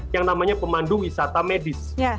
yang namanya pemandu wisata medis